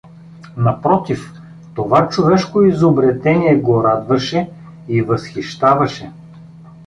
Напротив, това човешко изобретение го радваше и възхищаваше.